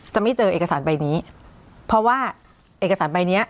จะไม่เจอเอกสารใบนี้เพราะว่าเอกสารใบเนี้ย